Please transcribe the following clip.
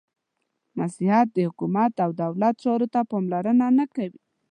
• مسیحیت د حکومت او دولت چارو ته پاملرنه نهکوي.